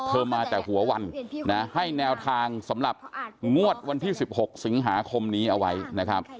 มาแต่หัววันนะให้แนวทางสำหรับงวดวันที่๑๖สิงหาคมนี้เอาไว้นะครับ